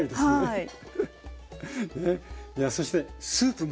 はい。